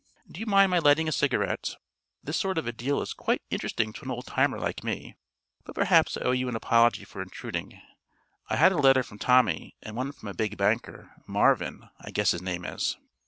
Do you mind my lighting a cigarette? This sort of a deal is quite interesting to an old timer like me; but perhaps I owe you an apology for intruding. I had a letter from Tommy and one from a big banker Marvin, I guess his name is."